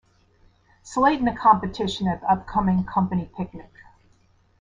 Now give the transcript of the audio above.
Slate in a competition at the upcoming company picnic.